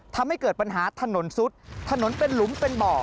ทำให้เกิดปัญหาถนนซุดถนนเป็นหลุมเป็นบ่อ